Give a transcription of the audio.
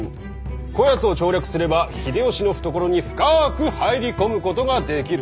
こやつを調略すれば秀吉の懐に深く入り込むことができる。